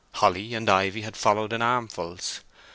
Holly and ivy had followed in armfuls.